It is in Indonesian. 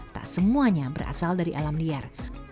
tak semuanya berasal dari alam liar